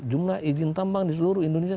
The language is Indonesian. jumlah izin tambang di seluruh indonesia